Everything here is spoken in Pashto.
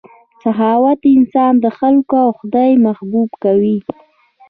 سخاوت انسان د خلکو او خدای محبوب کوي.